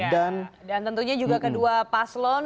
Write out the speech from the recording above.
dan tentunya juga kedua paslon